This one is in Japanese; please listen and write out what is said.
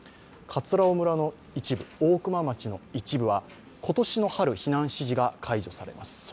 葛尾村の一部、大熊町の一部は今年の春、避難指示が解除されます。